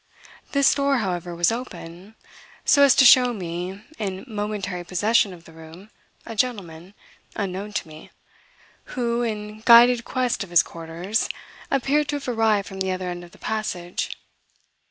This door, however, was open, so as to show me, in momentary possession of the room, a gentleman, unknown to me, who, in unguided quest of his quarters, appeared to have arrived from the other end of the passage.